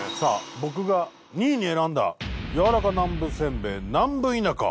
僕が２位に選んだやわらか南部せんべい南部田舎